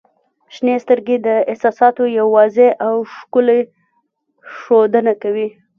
• شنې سترګې د احساساتو یوه واضح او ښکلی ښودنه ده.